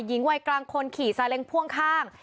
หญิงวัยกลางคนขี่ซาเล้งพ่วงข้าง